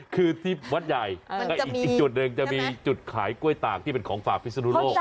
คือที่วัดใหญ่แล้วก็อีกจุดหนึ่งจะมีจุดขายกล้วยตากที่เป็นของฝากพิศนุโลก